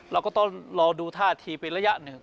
เราก็ต้องรอดูท่าทีเป็นระยะหนึ่ง